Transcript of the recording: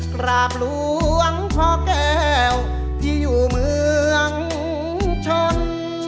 กราบหลวงพ่อแก้วที่อยู่เมืองชน